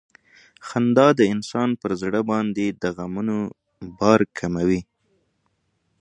خندا د انسان پر زړه باندې د غمونو بار کموي.